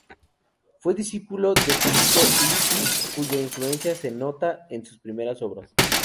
Fue discípulo de Filippo Lippi, cuya influencia se denota en sus primeras obras.